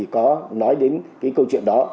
có nói đến câu chuyện đó